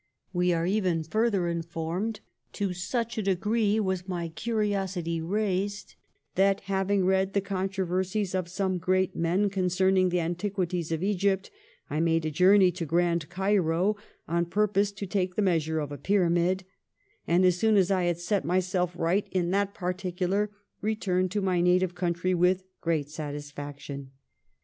We are even further informed 'to such a degree was my curiosity raised, that having read the controversies of some great men concerning the antiquities of Egypt, I made a voyage to Grand Cairo, on purpose to take the measure of a Pyramid : and as soon as I had set myself right in that particular, returned to my native country with great satisfaction.'